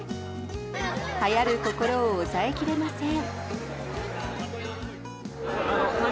はやる心を抑え切れません。